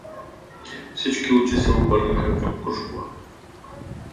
Всички очи се обърнаха към Крушкова.